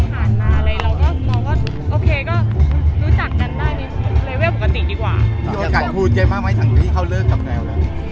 เพราะว่าเราไม่ได้ต่อกันไม่ได้คุยเรื่องส่วนตัว